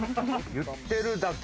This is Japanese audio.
言ってるだけ。